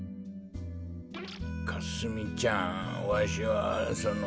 かすみちゃんわしはその。